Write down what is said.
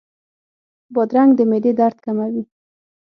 بادرنګ د معدې درد کموي.